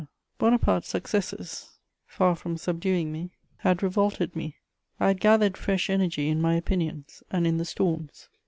Bonaparte's successes, far from subduing me, had revolted me; I had gathered fresh energy in my opinions and in the storms.